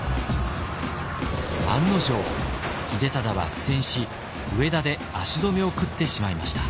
案の定秀忠は苦戦し上田で足止めを食ってしまいました。